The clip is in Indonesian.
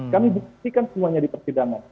kami buktikan semuanya di persidangan